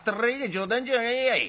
冗談じゃねえやい。